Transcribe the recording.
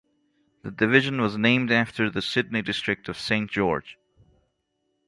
The Division was named after the Sydney district of Saint George.